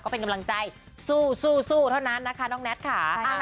เป็นกำลังใจสู้เท่านั้นนะคะน้องแน็ตค่ะ